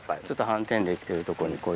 ちょっと斑点できてるとこに。